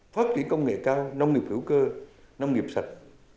phát triển công nghệ cao nông nghiệp hữu cơ nông nghiệp sạch